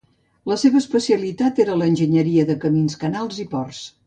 La seva especialitat era l'enginyeria de camins, canals i ports.